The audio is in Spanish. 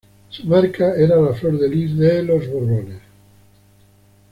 Su marca era la flor de lis de los Borbones.